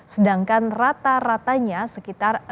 sedangkan rata ratanya sekitar enam puluh juta rupiah